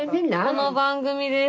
この番組です。